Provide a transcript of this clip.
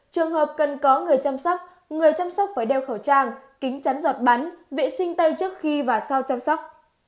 trường hợp cần có người chăm sóc người chăm sóc phải đeo khẩu trang kính chắn giọt bắn vệ sinh tay trước khi và sau chăm sóc